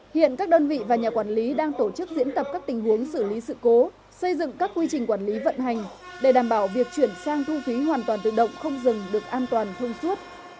hiện các đơn vị và nhà quản lý đang tổ chức diễn tập các tình huống xử lý sự cố xây dựng các quy trình quản lý vận hành để đảm bảo việc chuyển sang thu phí hoàn toàn tự động không dừng được an toàn thông suốt